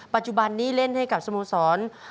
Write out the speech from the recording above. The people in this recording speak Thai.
ปัจจุบันนี้เล่นให้กับสโมสร